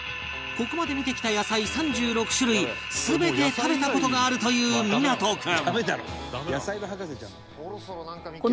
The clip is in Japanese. ここまで見てきた野菜３６種類全て食べた事があるという湊君